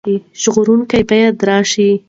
ژغورونکی باید راشي.